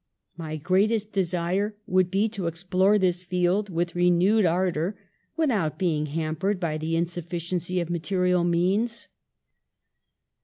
My greatest desire would be to ex plore this field with renewed ardour, without be ing hampered by the insufficiency of material means.